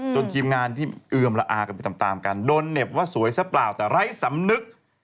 ทีมงานที่เอือมละอากันไปตามตามกันโดนเหน็บว่าสวยซะเปล่าแต่ไร้สำนึก